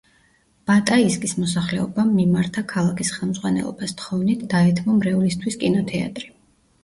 ბატაისკის მოსახლეობამ მიმართა ქალაქის ხელმძღვანელობას თხოვნით დაეთმო მრევლისთვის კინოთეატრი.